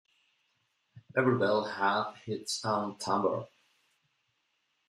Every bell had its own timbre.